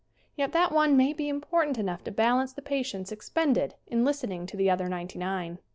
Yet that one may be important enough to balance the patience expended in listening to the other ninety nine.